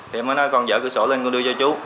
thì em mới nói con dở cửa sổ lên con đưa cho chú